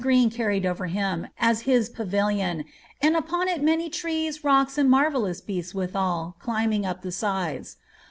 reen carried over him, as his pavilion, and upon it many trees, rocks, «nd marvellous beasts, withal, climbing up the sides.